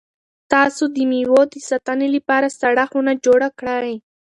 تاسو د مېوو د ساتنې لپاره سړه خونه جوړه کړئ.